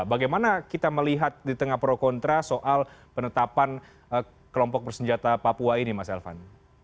bagaimana kita melihat di tengah pro kontra soal penetapan kelompok bersenjata papua ini mas elvan